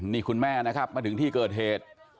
นี่คุณแม่นะครับมาถึงที่เกิดเหตุ